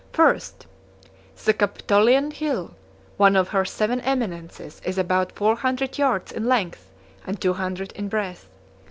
I. The Capitoline hill, one of her seven eminences, 36 is about four hundred yards in length, and two hundred in breadth.